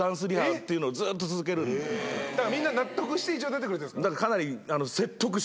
だからみんな納得して一応出てくれてるんですか？